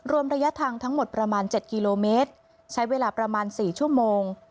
รวมระยะทางทั้งหมดประมาณ๗กิโลเมตรใช้เวลาประมาณ๔ชั่วโมง